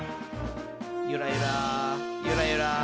ゆらゆらゆらゆら。